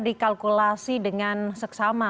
dikalkulasi dengan seksama